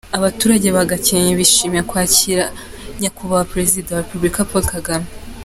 Abaturage ba Gakenke bishimiye kwakira Nyakubahwa Perezida wa Repubulika Paul kagame